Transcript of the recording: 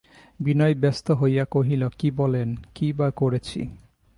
বিনয় ব্যস্ত হইয়া কহিল, কী বলেন, কীই বা করেছি।